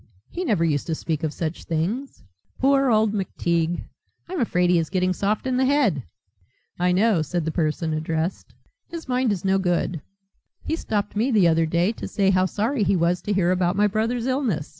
He never used to speak of such things. Poor old McTeague, I'm afraid he is getting soft in the head." "I know," said the person addressed. "His mind is no good. He stopped me the other day to say how sorry he was to hear about my brother's illness.